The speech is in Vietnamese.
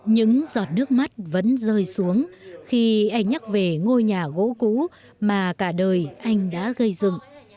những giọt nước mắt vẫn rơi xuống khi anh nhắc về ngôi nhà gỗ cũ mà cả đời anh đã gây dựng